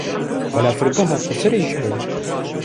Balafirgeha Qoserê jî heye.